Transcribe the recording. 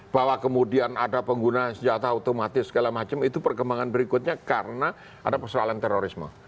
bahwa kemudian ada penggunaan senjata otomatis segala macam itu perkembangan berikutnya karena ada persoalan terorisme